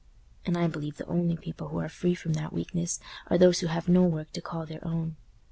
And I believe the only people who are free from that weakness are those who have no work to call their own.